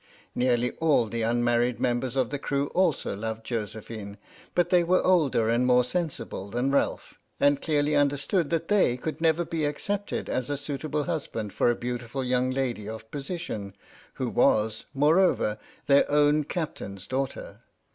Nearly all the unmarried members of the crew also loved Josephine, but they were older and more sensible than Ralph, and clearly understood that they could never be accepted as suitable husbands for a beautiful young lady of position, who was, moreover, their own Captain's daughter.